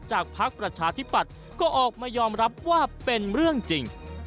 พักประชาธิปัตย์ก็ออกมายอมรับว่าเป็นเรื่องจริง